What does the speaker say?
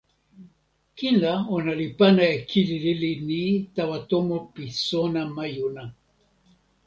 kin la, ona li pana e kili lili ni tawa tomo pi sona majuna.